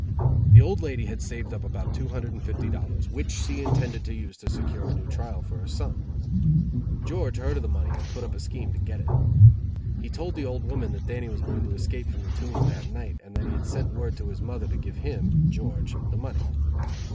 The old lady had saved up about two hundred and fifty dollars, which she intended to use to secure a new trial for her son. George heard of the money and put up a scheme to get it. He told the old woman that Dannie was going to escape from the Tombs that night and that he had sent word to his mother to give him (George) the money.